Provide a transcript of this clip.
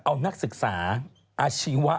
เอานักศึกษาอาชีวะ